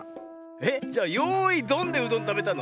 えっじゃあ「よいどん」でうどんたべたの？